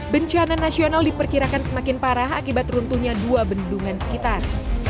bencana nasional diperkirakan semakin parah akibat runtuhnya dua bendungan sekitar